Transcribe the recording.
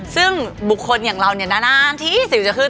ซึ่งบุคคลอย่างเราเนี่ยนานที่สิวจะขึ้น